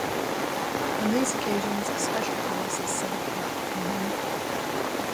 On these occasions a special palace is set apart for him.